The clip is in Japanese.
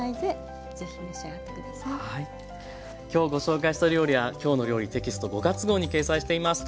今日ご紹介した料理は「きょうの料理」テキスト５月号に掲載しています。